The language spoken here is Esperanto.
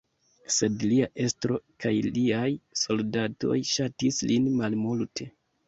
Sed lia estro kaj liaj soldatoj ŝatis lin malmulte.